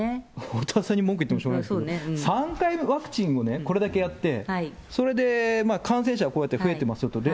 おおたわさんに文句言ってもしょうがない、３回目ワクチンをこれだけやって、それで感染者がこうやって増えてますよと。